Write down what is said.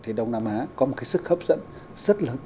thì đông nam á có một cái sức hấp dẫn rất lớn